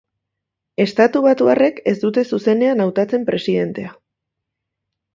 Estatubatuarrek ez dute zuzenean hautatzen presidentea.